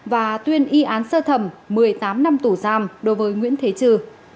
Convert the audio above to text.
và tuyên y án sơ thẩm một mươi tám năm tù giam đối với nguyễn thế trư